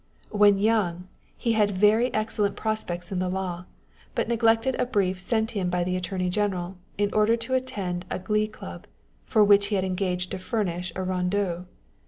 When young, he had very excellent prospects in the law, but neglected a brief sent him by the Attorney General, in order to attend a glee club, for which he had engaged to furnish a rondeau.